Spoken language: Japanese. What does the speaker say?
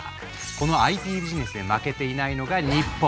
このＩＰビジネスで負けていないのが日本。